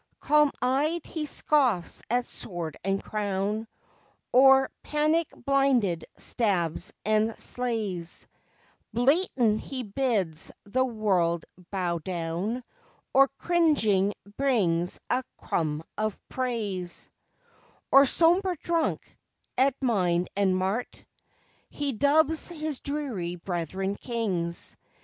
Calm eyed he scoffs at sword and crown, Or panic blinded stabs and slays: Blatant he bids the world bow down, Or cringing begs a crumb of praise; Or, sombre drunk, at mine and mart, He dubs his dreary brethren Kings.